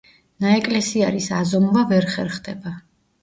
ნაეკლესიარის აზომვა ვერ ხერხდება.